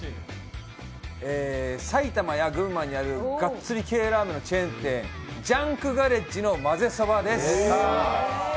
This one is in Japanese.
埼玉や群馬にあるがっつり系ラーメンのチェーン・、ジャンクガレッジのまぜそばです。